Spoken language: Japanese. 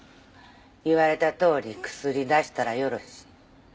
言われたとおり薬出したらよろし。